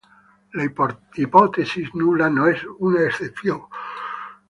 La hipótesis nula no es una excepción.